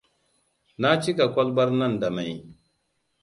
Na cika kwalbar nan da mai.